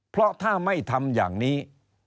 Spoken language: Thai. เพราะถ้าไม่ทำอย่างนี้